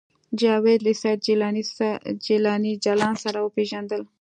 جاوید له سید جلاني جلان سره وپېژندل